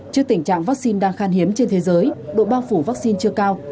trước tình trạng vaccine đang khan hiếm trên thế giới độ bao phủ vaccine chưa cao